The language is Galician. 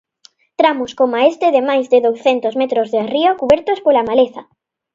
Tramos coma este de máis de douscentos metros de río cubertos pola maleza.